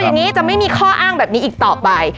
อย่างนี้จะไม่มีข้ออ้างแบบนี้อีกต่อไป